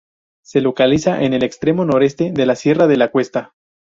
Se localiza en el extremo noroeste de la sierra de la Cuesta.